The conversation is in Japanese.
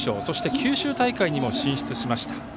そして九州大会にも進出しました。